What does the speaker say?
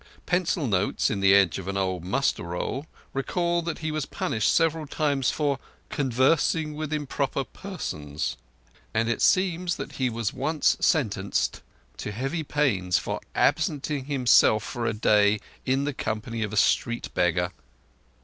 Pencil notes on the edge of an old muster roll record that he was punished several times for "conversing with improper persons", and it seems that he was once sentenced to heavy pains for "absenting himself for a day in the company of a street beggar".